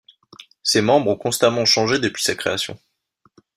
Ses membres ont constamment changé depuis sa création.